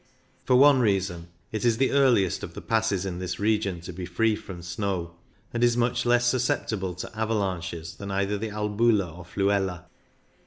For one reason, it is the earliest of the passes in this region to be free from snow, and is much less susceptible to avalanches than either the Albula or Fluela.